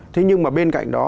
thế nhưng mà bên cạnh đó